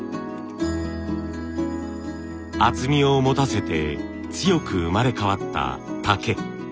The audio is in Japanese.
厚みを持たせて強く生まれ変わった竹。